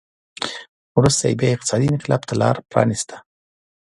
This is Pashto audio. وروسته یې بیا اقتصادي انقلاب ته لار پرانېسته